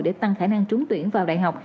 để tăng khả năng trúng tuyển vào đại học